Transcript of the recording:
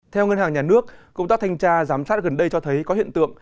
theo ngân hàng nhà nước công tác thanh tra giám sát gần đây cho thấy có hiện tượng